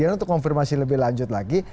kemudian untuk konfirmasi lebih lanjut lagi